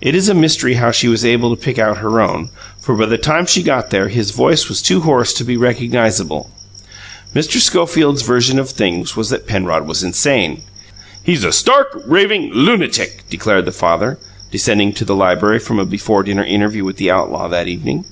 It is a mystery how she was able to pick out her own, for by the time she got there his voice was too hoarse to be recognizable. Mr. Schofield's version of things was that Penrod was insane. "He's a stark, raving lunatic!" declared the father, descending to the library from a before dinner interview with the outlaw, that evening.